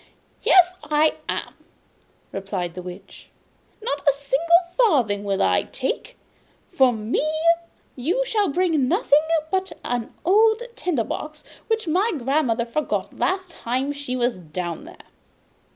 'Yes, I am!' replied the Witch. 'Not a single farthing will I take! For me you shall bring nothing but an old tinder box which my grandmother forgot last time she was down there.